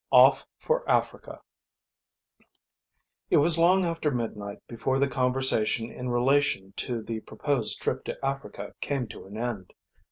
OFF FOR AFRICA It was long after midnight before the conversation in relation to the proposed trip to Africa came to an end.